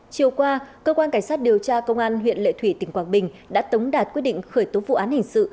chiều qua cơ quan cảnh sát điều tra công an huyện lệ thủy tỉnh quảng bình đã tống đạt quyết định khởi tố vụ án hình sự